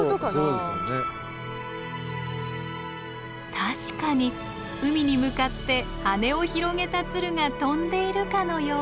確かに海に向かって羽を広げた鶴が飛んでいるかのようです。